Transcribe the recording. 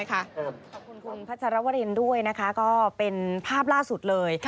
ขอบคุณคุณพัชรวรินด้วยนะคะก็เป็นภาพล่าสุดเลย